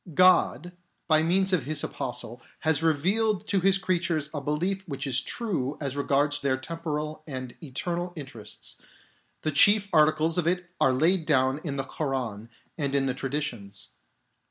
God, by means of His Apostle, has revealed to His creatures a belief which is true as regards their temporal and eternal interests ; the chief articles of it are laid down in the Koran and in the tradi tions.